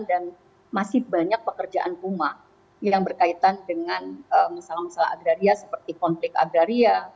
dan masih banyak pekerjaan kuma yang berkaitan dengan masalah masalah agraria seperti konflik agraria